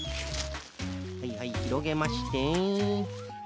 はいはいひろげまして。